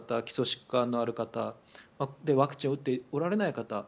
基礎疾患のある方でワクチンを打っておられない方。